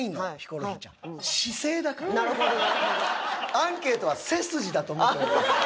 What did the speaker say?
アンケートは背筋だと思ってください。